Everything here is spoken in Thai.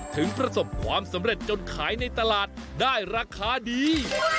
ถึงประสบความสำเร็จจนขายในตลาดได้ราคาดี